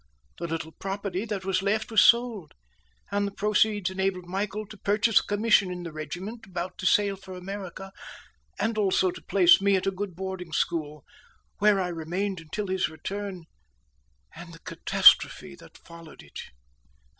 The little property that was left was sold, and the proceeds enabled Michael to purchase a commission in the regiment about to sail for America, and also to place me at a good boarding school, where I remained until his return, and the catastrophe that followed it.